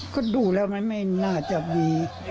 ก็ดูแล้วมันไม่น่าจะมี